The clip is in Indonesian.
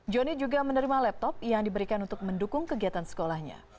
joni juga menerima laptop yang diberikan untuk mendukung kegiatan sekolahnya